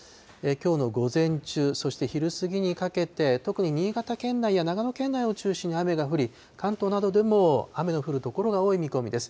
きょうの午前中、そして昼過ぎにかけて、特に新潟県内や長野県内を中心に雨が降り、関東などでも雨の降る所が多い見込みです。